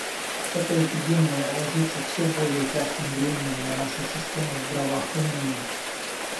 Эта эпидемия ложится всё более тяжким бременем на нашу систему здравоохранения.